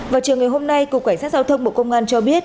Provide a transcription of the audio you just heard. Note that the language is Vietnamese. vào trường ngày hôm nay cục quản sát giao thông bộ công an cho biết